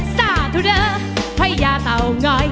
สาธุเดอร์พระยาเต้อง้อย